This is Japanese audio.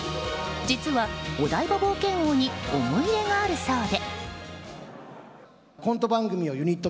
実はお台場冒険王に思い入れがあるそうで。